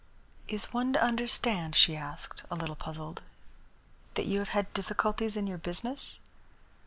"Is one to understand," she asked, a little puzzled, "that you have had difficulties in your business?"